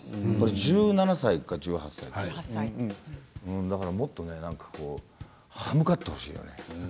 １７歳か１８歳だったんだからもっと刃向かってほしい。